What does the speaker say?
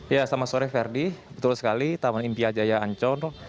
ya selamat sore ferdi betul sekali taman impia jaya ancol